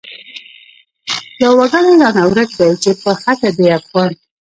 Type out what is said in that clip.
يو وګړی رانه ورک دی چی په خټه دی افغان